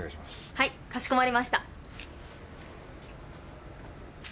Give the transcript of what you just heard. はいかしこまりました！